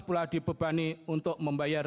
pula dibebani untuk membayar